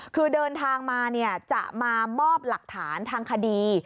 คือเดินทางมาจะมามอบหลักฐานทางคดี